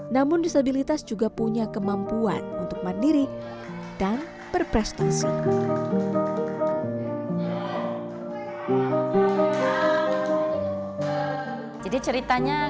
namun disabilitas juga punya kemampuan untuk mandiri dan berprestasi